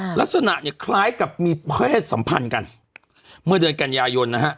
ลักษณะเนี่ยคล้ายกับมีเพศสัมพันธ์กันเมื่อเดือนกันยายนนะฮะ